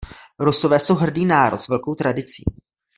Rusové jsou hrdý národ s velkou tradicí.